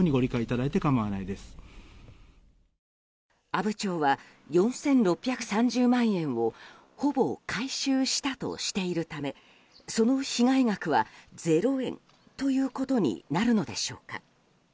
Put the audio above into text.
阿武町は、４６３０万円をほぼ回収したとしているためその被害額はゼロ円ということになるのでしょうか。